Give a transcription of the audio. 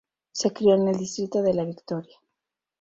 Se crio en el distrito de La Victoria.